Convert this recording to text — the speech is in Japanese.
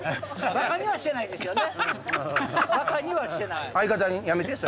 バカにはしてないですよね。